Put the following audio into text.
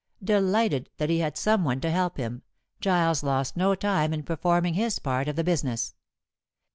Delighted that he had some one to help him, Giles lost no time in performing his part of the business.